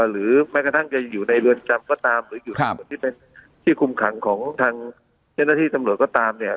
หรือแม้กระทั่งจะอยู่ในเรือนจำก็ตามหรืออยู่ทั้งหมดที่เป็นที่คุมขังของทางเจ้าหน้าที่ตำรวจก็ตามเนี่ย